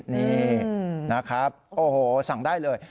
นี่นะครับโอ้โหสั่งได้เลย